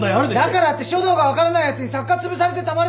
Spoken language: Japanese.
だからって書道が分からないやつに作家つぶされてたまるか。